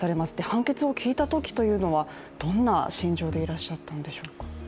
判決を聞いたときはどんな心情でいらっしゃったんですか？